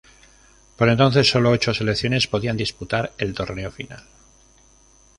Por entonces, solo ocho selecciones podían disputar el torneo final.